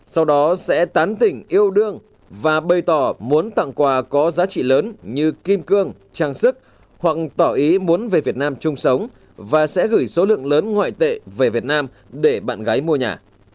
sau đó sẽ tán tỉnh yêu đương và bày tỏ muốn tặng quà có giá trị lớn như kim cương trang sức hoặc tỏ ý muốn về việt nam chung sống và sẽ gửi số lượng lớn ngoại tệ về việt nam để bạn gái mua nhà